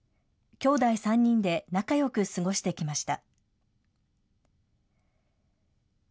きょうだい３人で仲よく過ごしてきました。